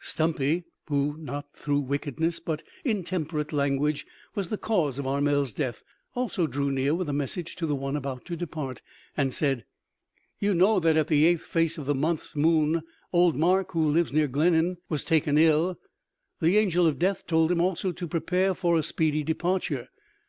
Stumpy, who, not through wickedness but intemperate language, was the cause of Armel's death, also drew near with a message to the one about to depart, and said: "You know that at the eighth face of this month's moon old Mark, who lives near Glen'han was taken ill; the angel of death told him also to prepare for a speedy departure.